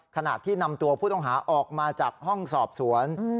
ขณะที่นำตัวผู้ต้องหาออกมาจากห้องสอบสวน